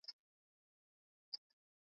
Abakataki tama penyewe ungali muzima